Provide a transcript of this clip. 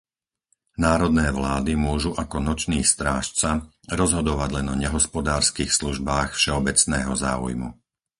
Národné vlády môžu ako nočný strážca rozhodovať len o nehospodárskych službách všeobecného záujmu.